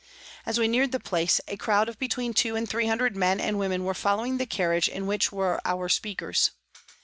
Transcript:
As we neared the place, a crowd of between two and three hundred men and women were following the carriage in which were our speakers.